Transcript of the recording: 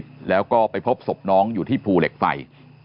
เสียชีวิตแล้วก็ไปพบสบน้องอยู่ที่ภูเหล็กไฟ